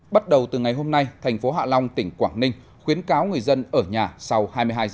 bắt đầu từ ngày hôm nay thành phố hạ long tỉnh quảng ninh khuyến cáo người dân ở nhà sau hai mươi hai h